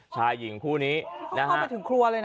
ชายหญิงคู่นี้นะฮะ